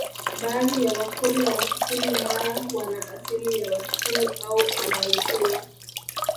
Baadhi ya Wakurya wa kusini Mara wana asili ya Wakikuyu au Abhaghekoyo